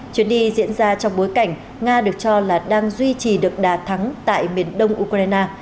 chuyến đi diễn ra trong bối cảnh nga được cho là đang duy trì được đà thắng tại miền đông ukraine